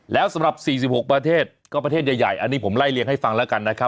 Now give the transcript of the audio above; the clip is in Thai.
แล้วสำหรับ๔๖ประเทศก็ประเทศใหญ่อันนี้ผมไล่เลี่ยงให้ฟังแล้วกันนะครับ